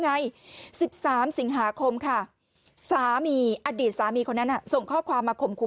ไง๑๓สิงหาคมค่ะสามีอดีตสามีคนนั้นส่งข้อความมาข่มขู่